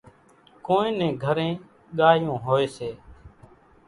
ڪونئين نين گھرين ڳايوُن هوئيَ سي۔